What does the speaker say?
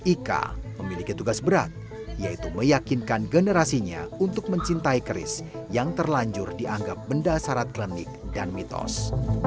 ika memiliki tugas berat yaitu meyakinkan generasinya untuk mencintai keris yang terlanjur dianggap benda syarat klinik dan mitos